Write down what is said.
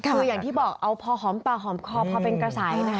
คืออย่างที่บอกเอาพอหอมปากหอมคอพอเป็นกระแสนะคะ